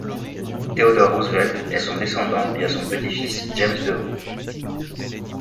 Théodore Roosevelt est son descendant via son petit-fils James DeVeaux.